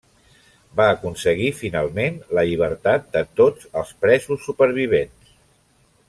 Va aconseguir finalment la llibertat de tots els presos supervivents.